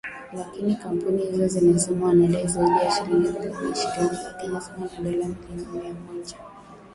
Lakini kampuni hizo zinasema wanadai zaidi ya shilingi bilioni ishirini za Kenya sawa na dola milioni mia moja sabini na tatu